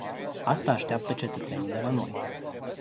Asta așteaptă cetățenii de la noi.